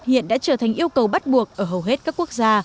hiện đã trở thành yêu cầu bắt buộc ở hầu hết các quốc gia